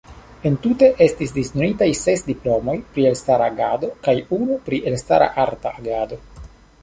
Entute estis disdonitaj ses diplomoj pri elstara agado kaj unu pri elstara arta agado.